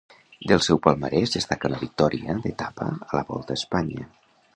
Del seu palmarès destaca una victòria d'etapa a la Volta a Espanya.